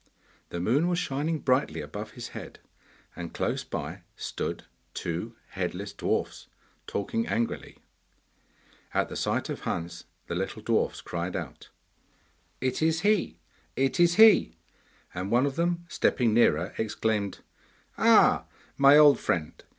The moon was shining brightly above his head, and close by stood two headless dwarfs, talking angrily. At the sight of Hans the little dwarfs cried out: 'It is he! It is he!' and one of them stepping nearer exclaimed, 'Ah, my old friend!